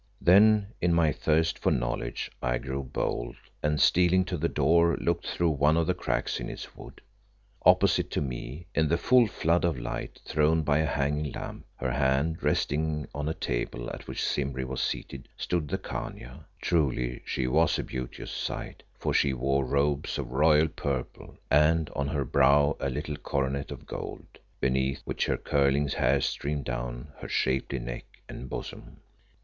Then in my thirst for knowledge I grew bold, and stealing to the door, looked through one of the cracks in its wood. Opposite to me, in the full flood of light thrown by a hanging lamp, her hand resting on a table at which Simbri was seated, stood the Khania. Truly she was a beauteous sight, for she wore robes of royal purple, and on her brow a little coronet of gold, beneath which her curling hair streamed down her shapely neck and bosom.